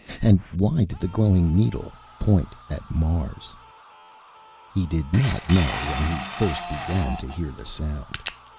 And why did the glowing needle point at Mars? He did not know when he first began to hear the sound.